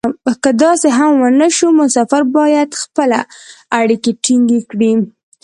که داسې هم و نه شو مسافر خپله باید اړیکې ټینګې کړي.